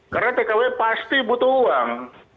karena tkw pasti butuh uang